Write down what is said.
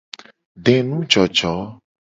Denujojo.